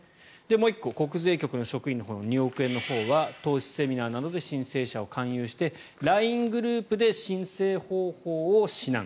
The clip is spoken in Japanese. もう１個国税局の職員の２億円は投資セミナーなどで申請者を勧誘してＬＩＮＥグループで申請方法を指南。